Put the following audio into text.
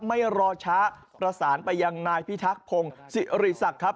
ไม่รอช้าประสานไปยังนายพิทักษ์พงศ์ศิริษัทครับ